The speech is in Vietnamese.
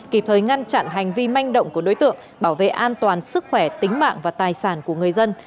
kịp thời ngăn chặn hành vi manh động của đối tượng bảo vệ an toàn sức khỏe tính mạng và tài sản của người dân